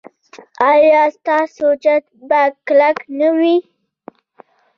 ایا ستاسو چت به کلک نه وي؟